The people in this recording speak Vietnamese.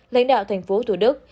lãnh đạo tp thủ đức